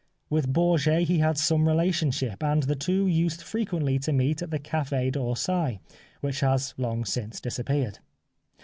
With Bourget he had some relationship, and the two used frequently to meet at the Cafe d'Orsay, which has long since disappeared.